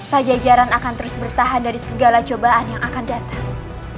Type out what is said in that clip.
pajajaran akan terus bertahan dari segala cobaan yang akan datang